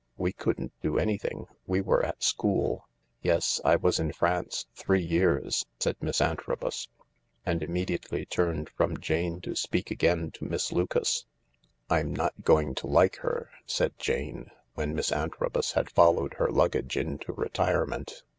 We couldn't do anything ; we were at school." " Yes — I was in France three years," said Miss Antrobus, and immediately turned from Jane to speak again to Miss Lucas. " I'm not going to like her," said Jane, when Miss Antrobus had followed her luggage into retirement.